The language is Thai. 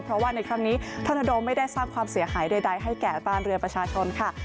เพราะว่าในครั้งนี้ธนโดไม่ได้สร้างความเสียหายใดให้แก่บ้านเรือประชาชนค่ะ